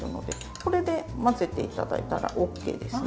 これで混ぜて頂いたらＯＫですね。